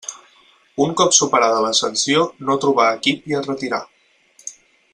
Un cop superada la sanció no trobà equip i es retirà.